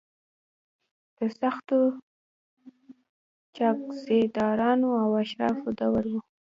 د سختو جاګیرداریو او اشرافو دور و.